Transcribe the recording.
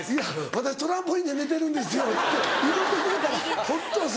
「私トランポリンで寝てるんですよ」って言うてくれたらほっとする。